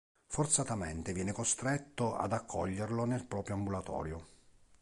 Forzatamente viene costretto ad accoglierlo nel proprio ambulatorio.